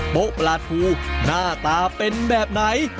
โป๊ปลาทูหน้าตาเป็นแบบไหน